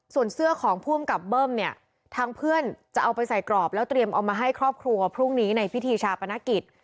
ส่วนเสื้อของผู้อำกับเบิ้มเนี่ยทางเพื่อนจะเอาไปใส่กรอบแล้วเตรียมเอามาให้ครอบครัวพรุ่งนี้ในพิธีชาปนกิจ